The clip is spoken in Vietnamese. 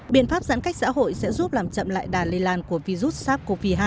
biện pháp giãn cách xã hội sẽ giúp làm chậm lại đà lây lan của virus sars cov hai